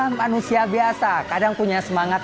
karena manusia biasa kadang punya semangat